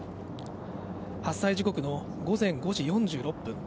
発災時刻の午前５時４６分。